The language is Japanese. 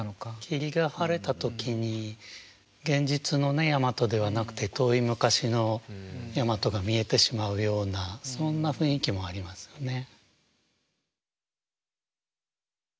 霧が晴れた時に現実のね大和ではなくて遠い昔の大和が見えてしまうようなそんな雰囲気もありますよね。